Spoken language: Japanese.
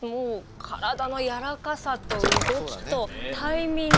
体のやわらかさと動きとタイミング。